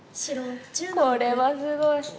これはすごい。